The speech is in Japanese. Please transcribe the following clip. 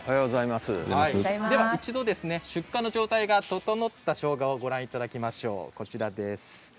一度出荷の状態が整ったしょうがをご覧いただきましょう。